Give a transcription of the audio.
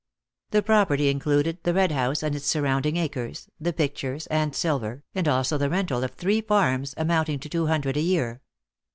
The property included the Red House and its surrounding acres, the pictures and silver, and also the rental of three farms, amounting to two hundred a year.